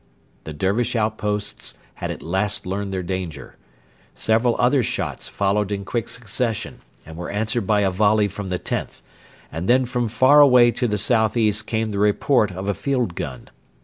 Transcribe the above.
The Dervish outposts had at last learned their danger. Several other shots followed in quick succession, and were answered by a volley from the Xth, and then from far away to the south east came the report of a field gun.